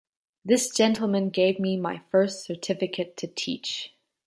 This gentleman gave me my first certificate to teach.